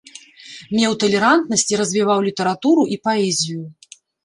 Меў талерантнасць і развіваў літаратуру і паэзію.